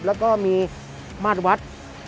แล้วก็มีมาตรวัด